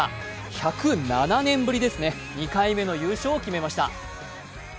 １０７年ぶりですね、２回目の優勝を決めました。